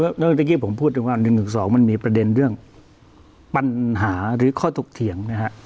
เมื่อเมื่อกี้ผมพูดเรื่องว่า๑๑๒มันมีประเด็นเรื่องปัญหาหรือข้อตกเถียงนะครับ